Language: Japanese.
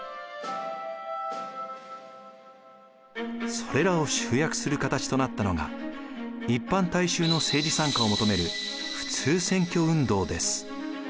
それらを集約する形となったのが一般大衆の政治参加を求める普通選挙運動です。